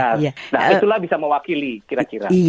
nah itulah bisa mewakili kira kira